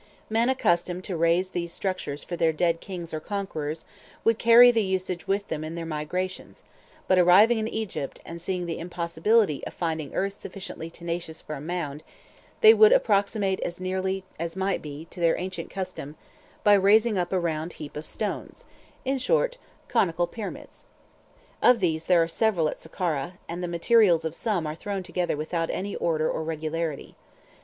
Men accustomed to raise these structures for their dead kings or conquerors would carry the usage with them in their migrations, but arriving in Egypt, and seeing the impossibility of finding earth sufficiently tenacious for a mound, they would approximate as nearly as might be to their ancient custom by raising up a round heap of stones—in short, conical pyramids. Of these there are several at Sakkara, and the materials of some are thrown together without any order or regularity.